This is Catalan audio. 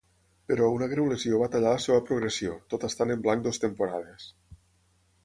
Però, una greu lesió va tallar la seua progressió, tot estant en blanc dues temporades.